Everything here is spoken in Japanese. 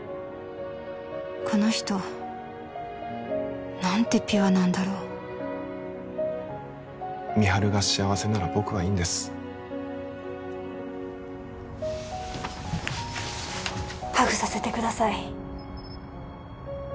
この人何てピュアなんだろう美晴が幸せなら僕はいいんですハグさせてください